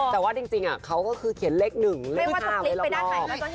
แต่ว่าจริงเขาก็คือเขียนเล็ก๑เล็ก๕เลยรอบ